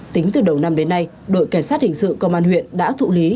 tính từ đầu năm đến nay đội cảnh sát hình sự công an huyện đã thụ lý